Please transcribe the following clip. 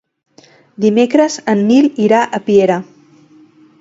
Dimecres en Nil irà a Piera.